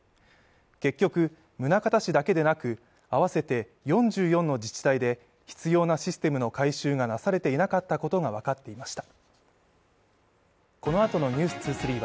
結局、宗像市だけでなく、合わせて４４の自治体で必要なシステムの改修がなされていなかったことがわかっていました。